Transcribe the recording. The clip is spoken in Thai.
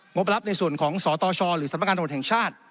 งบลับในส่วนของสตชหรือสตทช